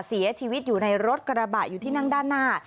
เสียชีวิตอยู่ในรถกระบะอยู่ที่นั่งด้านหน้า